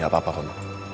gak apa apa kom